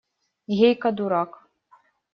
Гейка, дурак!